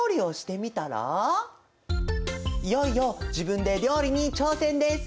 いよいよ自分で料理に挑戦です。